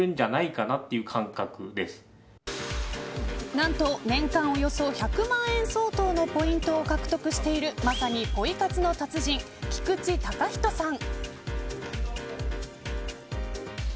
なんと年間およそ１００万円相当のポイントを獲得しているまさにポイ活の達人菊地崇仁さん。